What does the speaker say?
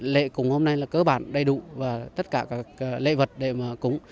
lễ cúng hôm nay là cơ bản đầy đủ và tất cả các lễ vật để mà cúng